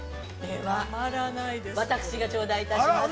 私が頂戴いたしますね。